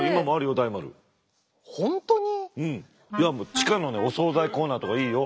地下のお惣菜コーナーとかいいよ。